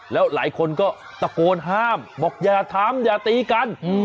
แล้วหลายคนก็ตะโกนห้ามบอกอย่าทำอย่าตีกัน